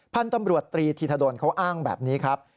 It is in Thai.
พันธุ์ตำรวจตรีธีธดลเขาอ้างแบบนี้ครับ